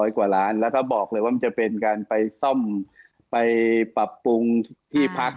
กว่าล้านแล้วก็บอกเลยว่ามันจะเป็นการไปซ่อมไปปรับปรุงที่พัก